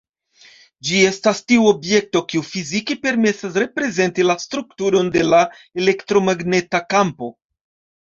Ĝi estas tiu objekto, kiu fizike permesas reprezenti la strukturon de la elektromagneta kampo.